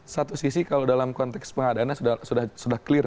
satu sisi kalau dalam konteks pengadaannya sudah clear